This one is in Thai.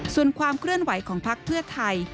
ส่วนความเคลื่อนไหวของพักเพื่อไทย